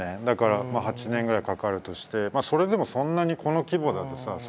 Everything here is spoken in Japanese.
だから８年ぐらいかかるとしてそれでもそんなにこの規模だとさ